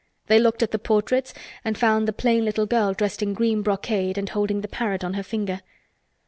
They looked at the portraits and found the plain little girl dressed in green brocade and holding the parrot on her finger.